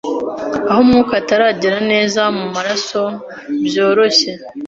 aho umwuka utageraga neza mu maraso byoroshye,